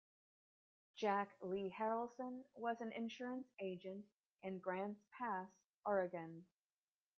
Jack Lee Harelson was an insurance agent in Grants Pass, Oregon.